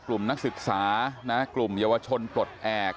นักศึกษากลุ่มเยาวชนปลดแอบ